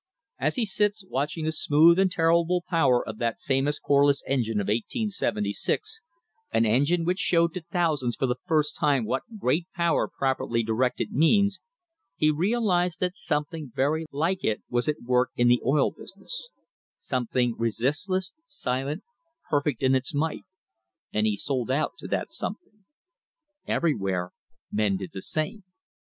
As he sits watching the smooth and terrible power of that famous Corliss engine of 1876, an engine which showed to thousands for the first time what great power properly directed means, he realised that some thing very like it was at work in the oil business — something resistless, silent, perfect in its might — and he sold out to that something. Everywhere men did the same.